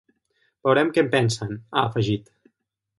Veurem què en pensen, ha afegit.